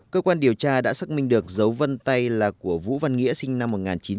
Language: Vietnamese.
cơ quan điều tra đã xác minh được dấu vân tay là của vũ văn nghĩa sinh năm một nghìn chín trăm tám mươi